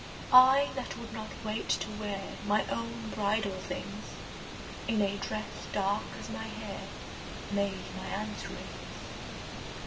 (I, that would not wait to wear My own bridal things, In a dress dark as my hair Made my answerings.